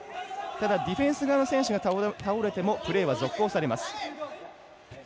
ディフェンス側の選手が倒れてもプレーは続行されます。